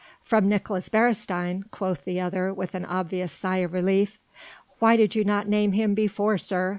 "From Nicolaes Beresteyn," quoth the other with an obvious sigh of relief. "Why did you not name him before, sir?